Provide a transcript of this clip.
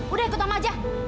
udah ikut mama aja